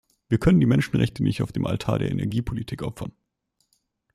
Wir können die Menschenrechte nicht auf dem Altar der Energiepolitik opfern.